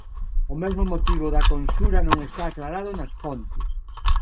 O mesmo motivo da conxura non está aclarado nas fontes.